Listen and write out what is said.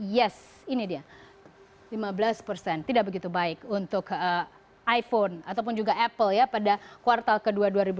yes ini dia lima belas persen tidak begitu baik untuk iphone ataupun juga apple ya pada kuartal ke dua dua ribu dua puluh